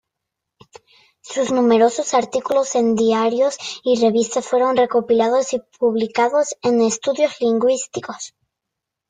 Sus numerosos artículos en diarios y revistas fueron recopilados y publicados en "Estudios lingüísticos.